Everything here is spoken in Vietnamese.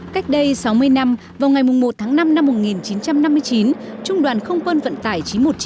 cách đây sáu mươi năm vào ngày một tháng năm năm một nghìn chín trăm năm mươi chín trung đoàn không quân vận tải chín trăm một mươi chín